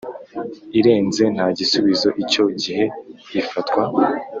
irenze nta gisubizo icyo gihe bifatwa